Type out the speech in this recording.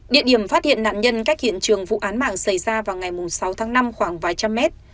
địa điểm phát hiện nạn nhân cách hiện trường vụ án mạng xảy ra vào ngày sáu tháng năm khoảng vài trăm mét